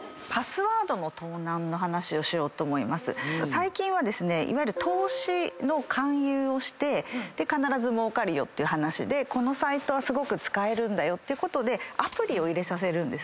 最近は投資の勧誘をして必ずもうかるよっていう話でこのサイトはすごく使えるんだよってことでアプリを入れさせる。